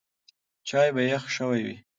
چای به یخ شوی وي.